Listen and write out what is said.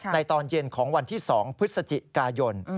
ตอนเย็นของวันที่๒พฤศจิกายน